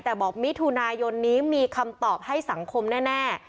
แต่บอกมิถุนายนนี้มีคำตอบให้สังคมแน่